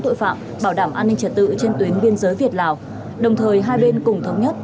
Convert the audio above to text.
tội phạm bảo đảm an ninh trật tự trên tuyến biên giới việt lào đồng thời hai bên cùng thống nhất